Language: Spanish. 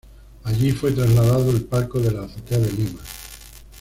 Allí fue trasladado el palco de la Azotea de Lima.